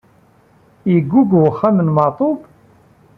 Yeggug uxxam n Maɛṭub?